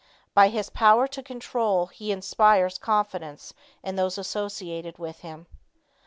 By his power to control, he inspires confidence in those associated with him.